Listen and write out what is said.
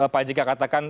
pak jk katakan